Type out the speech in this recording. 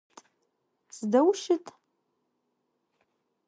Сыдэу ущыт?